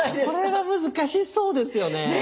これは難しそうですよね。